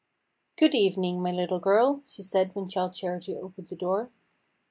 "Good evening, my little girl," she said when Childe Charity opened the door.